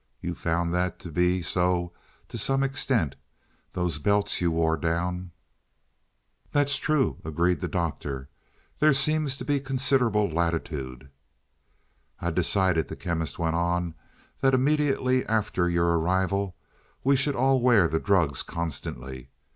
You found that to be so to some extent. Those belts you wore down " "That's true," agreed the Doctor, "there seems to be considerable latitude " "I decided," the Chemist went on, "that immediately after your arrival we should all wear the drugs constantly.